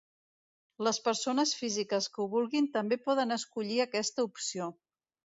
Les persones físiques que ho vulguin també poden escollir aquesta opció.